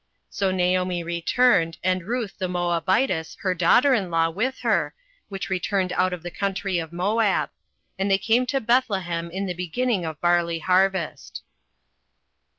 08:001:022 So Naomi returned, and Ruth the Moabitess, her daughter in law, with her, which returned out of the country of Moab: and they came to Bethlehem in the beginning of barley harvest.